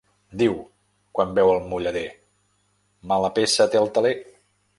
Diu, quan veu el mullader: "mala peça té el teler".